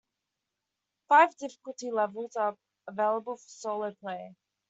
Five difficulty levels are available for solo play.